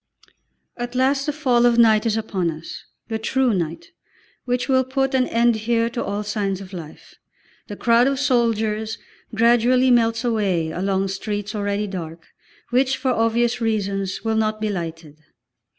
At last the fall of night is upon us, the true night, which will put an end here to all signs of life. The crowd of soldiers gradually melts away along streets already dark, which, for obvious reasons, will not be lighted.